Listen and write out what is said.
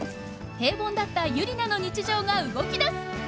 平凡だったユリナの日常が動きだす！